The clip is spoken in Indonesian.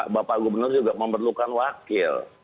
bapak gubernur juga memerlukan wakil